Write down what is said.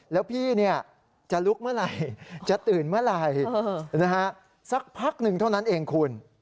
แล้วพี่จะลุกเมื่อไหร่จะตื่นเมื่อไหร่สักพักหนึ่งเท่านั้นเองคุณ